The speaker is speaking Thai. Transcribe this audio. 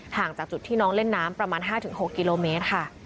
จากจุดที่น้องเล่นน้ำประมาณ๕๖กิโลเมตรค่ะ